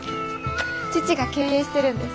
父が経営してるんです。